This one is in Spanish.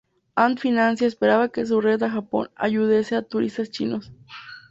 Ant Financial esperaba que su red e Japón ayudase a turistas chinos.